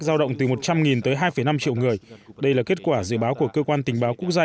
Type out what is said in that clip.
giao động từ một trăm linh tới hai năm triệu người đây là kết quả dự báo của cơ quan tình báo quốc gia